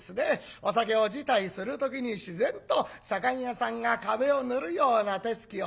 お酒を辞退する時に自然と左官屋さんが壁を塗るような手つきをする。